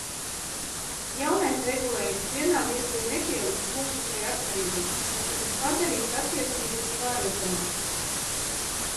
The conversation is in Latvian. Jaunais regulējums vienā mirklī nepieliks punktu šai atkarībai, taču tas padarīs attiecības pārredzamākas.